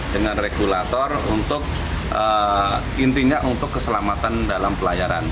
dengan regulator untuk intinya untuk keselamatan dalam pelayaran